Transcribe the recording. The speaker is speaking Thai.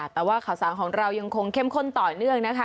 แต่ว่าข่าวสารของเรายังคงเข้มข้นต่อเนื่องนะคะ